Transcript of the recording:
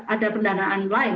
ada pendanaan lain